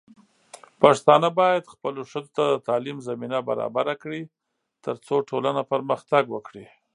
پښتانه بايد خپلو ښځو ته د تعليم زمينه برابره کړي، ترڅو ټولنه پرمختګ وکړي.